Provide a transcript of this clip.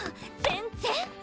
全然！